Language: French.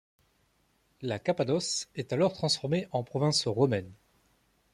La Cappadoce est alors transformée en province romaine.